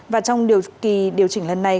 và trong điều chỉnh lần này